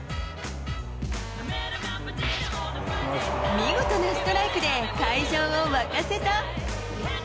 見事なストライクで、会場を沸かせた。